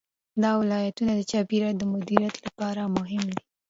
دا ولایتونه د چاپیریال د مدیریت لپاره مهم دي.